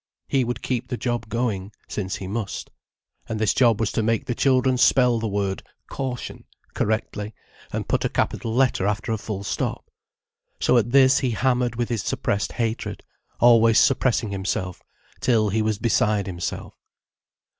He would keep the job going, since he must. And this job was to make the children spell the word "caution" correctly, and put a capital letter after a full stop. So at this he hammered with his suppressed hatred, always suppressing himself, till he was beside himself.